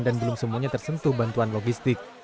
dan belum semuanya tersentuh bantuan logistik